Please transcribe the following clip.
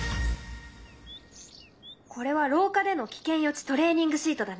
これはろう下での危険予知トレーニングシートだね。